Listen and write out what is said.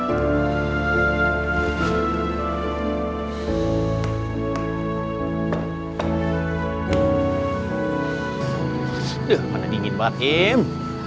aduh panah dingin banget im